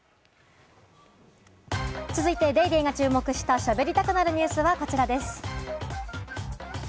続いて『ＤａｙＤａｙ．』が注目した、しゃべりたくなるニュスがこちらです。